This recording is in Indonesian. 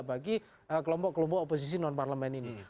bagi kelompok kelompok oposisi non parlemen ini